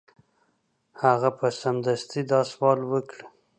هغه به سمدستي دا سوال وکړي.